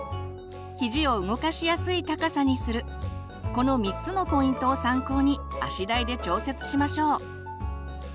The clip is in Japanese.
この３つのポイントを参考に足台で調節しましょう。